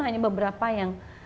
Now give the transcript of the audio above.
hanya beberapa yang